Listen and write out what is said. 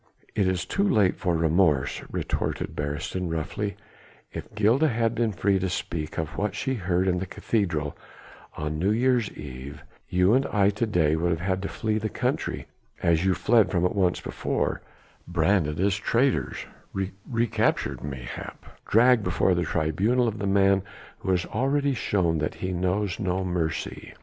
"It is too late for remorse," retorted Beresteyn roughly, "if Gilda had been free to speak of what she heard in the cathedral on New Year's Eve, you and I to day would have had to flee the country as you fled from it once before, branded as traitors, re captured mayhap, dragged before the tribunal of a man who has already shown that he knows no mercy.